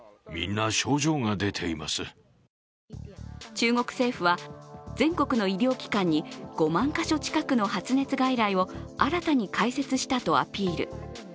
中国政府は、全国の医療機関に５万か所近くの発熱外来を新たに開設したとアピール。